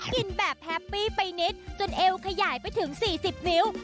กินแบบแฮปปี้ไปนิดจนเอวขยายไปถึง๔๐นิ้ว